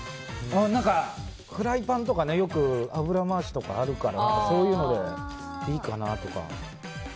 フライパンとかよく油回しとかあるからそういうので、Ｂかなと。